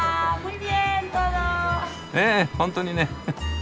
ええ本当にね！